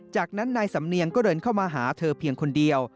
จากนั้นนายสำเนียงก็เดินเข้ามาหาเธอเพียงคนเดียว